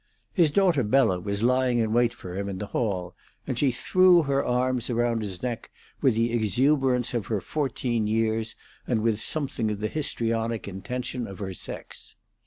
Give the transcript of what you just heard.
His daughter Bella was lying in wait for him in the hall, and she threw her arms round his neck with the exuberance of her fourteen years and with something of the histrionic intention of her sex.